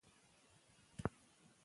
فعال چاپېريال زده کړه اسانوي.